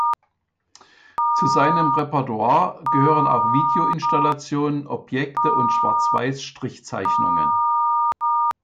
Zu seinem Repertoire gehören auch Videoinstallationen, Objekte und Schwarz-Weiss-Strichzeichnungen.